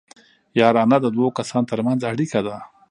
یارانه د دوو کسانو ترمنځ اړیکه ده